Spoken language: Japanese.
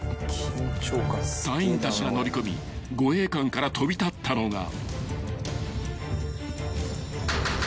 ［隊員たちが乗り込み護衛艦から飛び立ったのが］